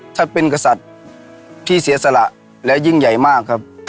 ท่านเป็นกษัตริย์ที่เสียสละและยิ่งใหญ่มากครับ